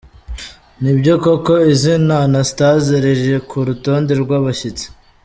Ni byo koko izina Anastase riri ku rutonde rw’abashyitsi.